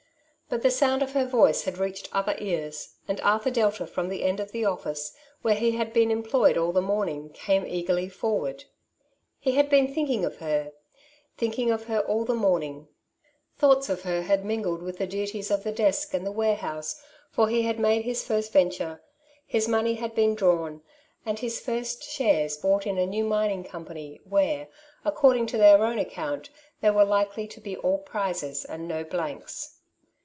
But the sound of her voice had reached other ears, and Arthur Delta, from the end of the office where he had been employed all the morning, came eagerly forward. He had been thinking of her — thinking of her all the morning; thoughts of her had mingled with the duties of the desk and the warehouse, for he had made his first venture — his money had been drawn, and his first shares bought in a new mining Elsies Influence. 59 company, where, according to their own account^ there were likely to be all prizes and no blanks.